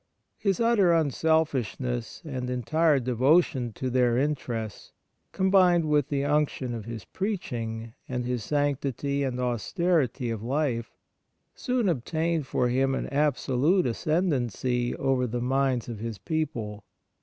His utter unselfishness and entire devotion to their interests, combined with the unction of his preaching and his sanctity and austerity of life, soon obtained for him an absolute ascendancy over the minds of his people.